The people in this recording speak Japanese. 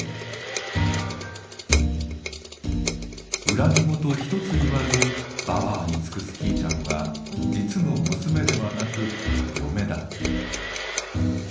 恨み言一つ言わずばばあに尽くすきいちゃんは実の娘ではなく嫁だ。